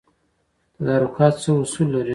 تدارکات څه اصول لري؟